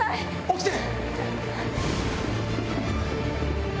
起きて！